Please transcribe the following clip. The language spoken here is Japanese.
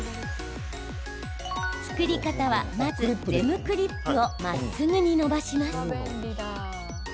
作り方はまず、ゼムクリップをまっすぐに伸ばします。